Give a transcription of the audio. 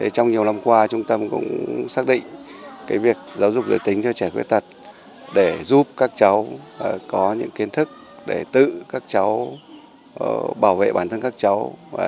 trong nhiều năm qua trung tâm cũng xác định việc giáo dục giới tính cho trẻ khuyết tật để giúp các cháu có những kiến thức để tự các cháu bảo vệ bản thân các cháu